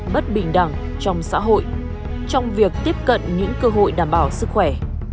bất bình đẳng trong xã hội trong việc tiếp cận những cơ hội đảm bảo sức khỏe